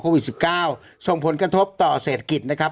โควิดสิบเก้าส่งผลกระทบต่อเศสกิจนะครับ